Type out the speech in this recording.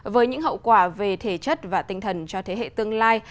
với những hậu quả về thể chất và tinh thần cho thế hệ tương lai